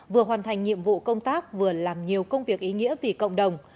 vừa hoàn thành nhiệm vụ công tác vừa làm nhiều công việc ý nghĩa vì cộng đồng